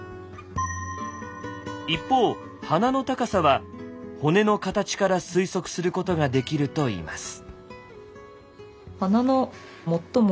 一方鼻の高さは骨の形から推測することができるといいます。